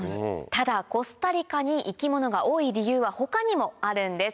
ただコスタリカに生き物が多い理由は他にもあるんです。